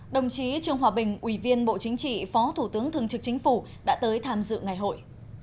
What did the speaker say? đồng chí trương hòa bình ủy viên bộ chính trị phó thủ tướng thường trực chính phủ đã tới tham dự ngày hội